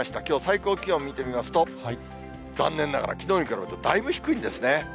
きょう最高気温を見てみますと、残念ながらきのうに比べるとだいぶ低いんですね。